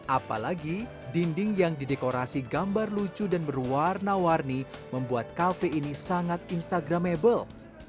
apalagi dinding yang didekorasi gambar lucu dan berwarna warni membuat kafe ini sangat instagramable